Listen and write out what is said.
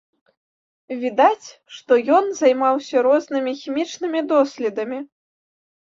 Відаць, што ён займаўся рознымі хімічнымі доследамі.